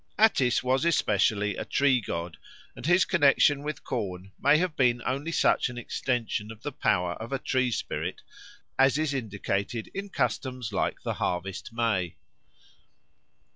Attis was especially a tree god, and his connexion with corn may have been only such an extension of the power of a tree spirit as is indicated in customs like the Harvest May.